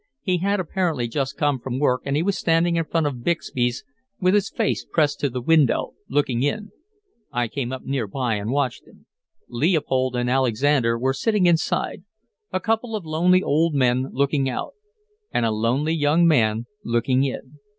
He had apparently just come from work and he was standing in front of Bixby's with his face pressed to the window looking in. I came up nearby and watched him. Leopold and Alexander were sitting inside a couple of lonely old men looking out. And a lonely young man looking in.